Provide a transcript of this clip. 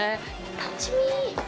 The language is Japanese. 楽しみ。